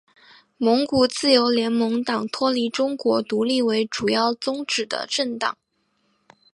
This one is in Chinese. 蒙古自由联盟党脱离中国独立为主要宗旨的政党。